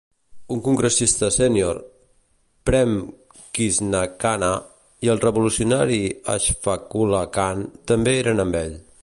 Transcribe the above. Un congressista sènior, Prem Krishna Khanna, i el revolucionari Ashfaqulla Khan també eren amb ell.